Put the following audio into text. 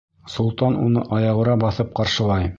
Солтан уны аяғүрә баҫып ҡаршылай.